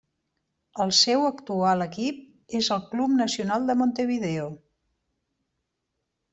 El seu actual equip és el Club Nacional de Montevideo.